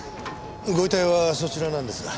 ご遺体はそちらなんですが。